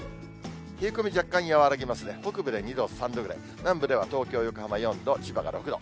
冷え込み、若干和らぎますね、北部で２度、３度ぐらい、南部では東京、横浜４度、千葉が６度。